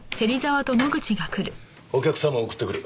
お客様を送ってくる。